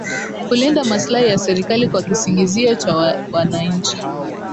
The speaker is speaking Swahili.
kulinda maslahi ya serikali kwa kisingizio cha wa wananchi